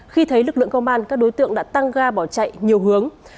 khi thấy lực lượng công an các đối tượng đã tăng ga bỏ chạy nhiều hướng